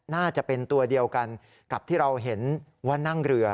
น่าจะเป็นตัวเดียวกันกับที่เราเห็นว่านั่งเรือ